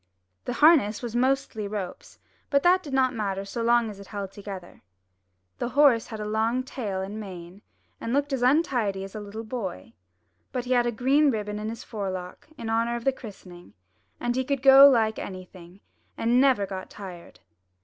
The harness was mostly ropes, but that did not matter so long as it held together. The horse had a long tail and mane, and looked as untidy as a little boy; but he had a green ribbon in his forelock in honour of the christening, and he could go like anything, and never got tired.